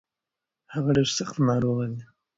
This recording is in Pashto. هغه ډير سځت ناروغه دی.